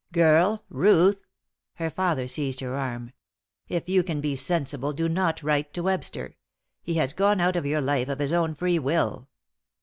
"Girl! Ruth," her father seized her arm "if you can be sensible, do not write to Webster. He has gone out of your life of his own free will."